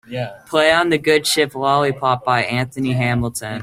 play on the good ship lollipop by Anthony Hamilton